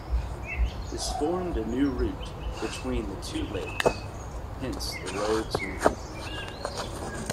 This formed a new route between the two lakes, hence the road's name.